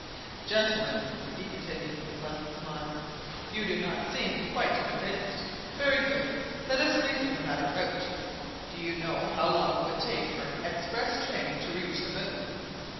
"Gentlemen," he continued with a pleasant smile, "you do not seem quite convinced. Very good! Let us reason the matter out. Do you know how long it would take for an express train to reach the moon?